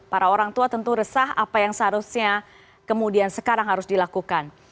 para orang tua tentu resah apa yang seharusnya kemudian sekarang harus dilakukan